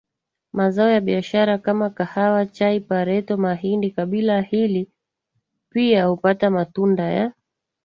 mazao ya biashara kama kahawa chai pareto mahindi Kabila hili pia hupata matunda ya